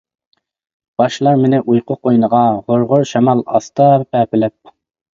باشلار مېنى ئۇيقۇ قوينىغا، غۇر-غۇر شامال ئاستا پەپىلەپ.